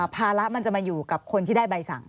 ภาระมันจะมาอยู่กับคนที่ได้ใบสั่ง